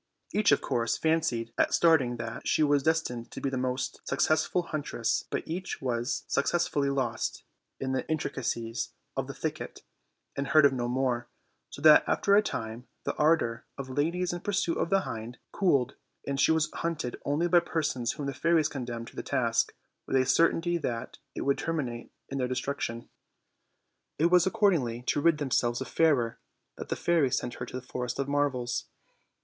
Each, of course, fancied at starting that she was destined to be the successful huntress, but each was successively lost in the intricacies of the thicket, and heard of no more; so that after a time the ardor of ladies in pursuit of the hind cooled, and she was hunted only by persons whom the fairies condemned to the task, with a certainty that it would terminate in their destruction. It was, accordingly, to rid themselves of Fairer that the fairies sent her to the Forest of Marvels.